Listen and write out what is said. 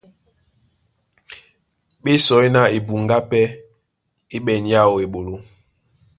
Ɓé sɔí ná ebuŋgá pɛ́ é ɓɛ̂n yáō eɓoló.